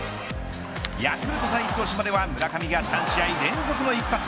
ヤクルト対広島では村上が３試合連続の一発。